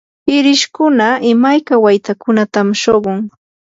irishkuna imayka waytakunatam shuqun.